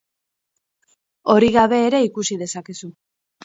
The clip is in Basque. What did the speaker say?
Hori gabe ere ikusi dezakezu.